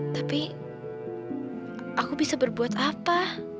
tapi aku bisa berbuat apa